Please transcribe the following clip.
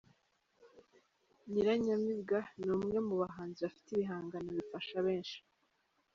Nyiranyamibwa ni umwe mu bahanzi bafite ibihangano bifasha benshi.